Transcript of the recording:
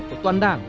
của toàn đảng